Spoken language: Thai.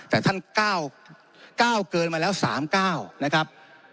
แต่ท่านก้าวเกินมาแล้วสามก้าวนะครับ